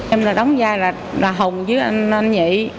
em là đóng gia là hùng với anh nhị